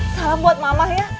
salam buat mama ya